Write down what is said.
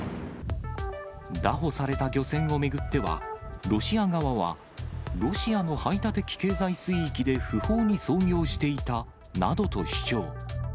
拿捕された漁船を巡っては、ロシア側は、ロシアの排他的経済水域で不法に操業していたなどと主張。